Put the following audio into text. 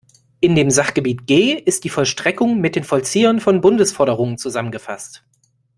In dem Sachgebiet G ist die Vollstreckung mit den Vollziehern von Bundesforderungen zusammengefasst.